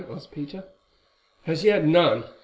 asked Peter. "As yet, none.